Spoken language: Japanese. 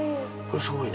すごいね。